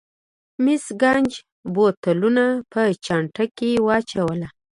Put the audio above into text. مېس ګېج بوتلونه په چانټه کې واچول.